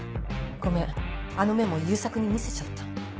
ごめんあのメモ悠作に見せちゃった。